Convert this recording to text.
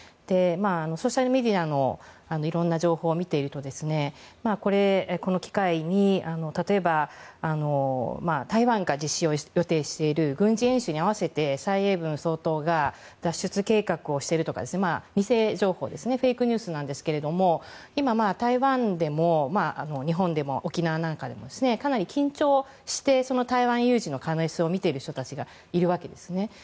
ソーシャルメディアのいろいろな情報を見ているとこの機会に、例えば台湾が実施を予定している軍事演習に合わせて蔡英文総統が脱出計画をしているとか偽情報フェイクニュースなんですが今、台湾でも日本でも沖縄なんかでもかなり緊張して台湾有事の可能性を見ている人たちがいるわけですね。